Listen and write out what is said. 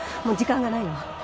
もう時間がないわ。